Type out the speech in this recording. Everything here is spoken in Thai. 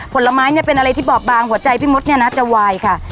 ผลไม้เนี่ยเป็นอะไรที่บอบบางหัวใจพี่มดเนี่ยนะจะวายค่ะ